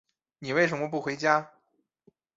你为什么不回家？